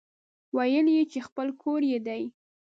ويل يې چې خپل کور يې دی.